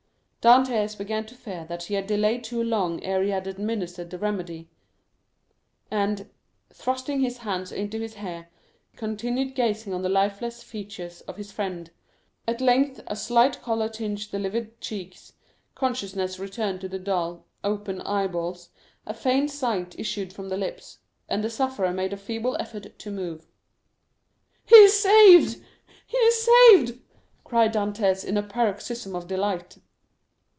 Dantès began to fear he had delayed too long ere he administered the remedy, and, thrusting his hands into his hair, continued gazing on the lifeless features of his friend. At length a slight color tinged the livid cheeks, consciousness returned to the dull, open eyeballs, a faint sigh issued from the lips, and the sufferer made a feeble effort to move. "He is saved! he is saved!" cried Dantès in a paroxysm of delight.